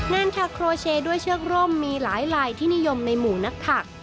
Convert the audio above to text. ทาโครเชด้วยเชือกร่มมีหลายลายที่นิยมในหมู่นักถัก